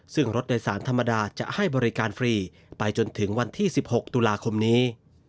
ซึ่งรถโดยสารธรรมดาจะให้บริการฟรีไปจนถึงวันที่๑๖ตุลาคมนี้